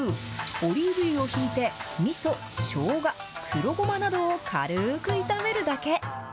オリーブ油をひいて、みそ、しょうが、黒ごまなどを軽く炒めるだけ。